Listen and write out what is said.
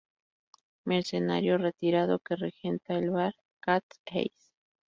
Mercenario retirado que regenta el bar Cat's Eyes.